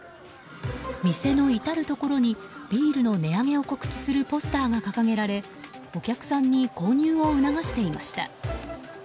店の至るところにビールの値上げを告知するポスターが掲げられお客さんに購入を促していました。